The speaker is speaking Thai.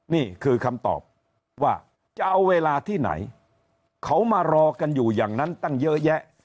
นี่คือคำตอบว่าจะเอาเวลาที่ไหนเขามารอกันอยู่อย่างนั้นตั้งเยอะแยะ